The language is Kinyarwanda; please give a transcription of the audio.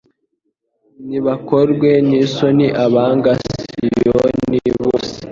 Nibakorwe n’isoni abanga Siyoni bose